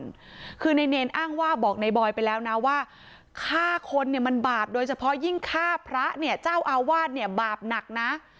คือในเนรอ้างว่าบอกในบอยไปแล้วนะว่าฆ่าคนเนี่ยมันบาปโดยเฉพาะยิ่งฆ่าพระเนี่ยเจ้าอาวาสเนี่ยบาปหนักนะ